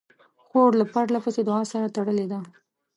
خور له پرله پسې دعا سره تړلې ده.